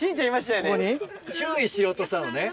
注意しようとしたのね。